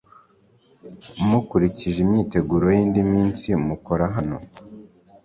Mukurikije imyiteguro y’indi minsi mukora hano